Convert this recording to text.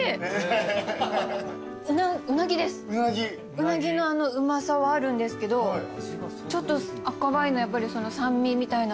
うなぎのあのうまさはあるんですけどちょっと赤ワインの酸味みたいなものも合いますね。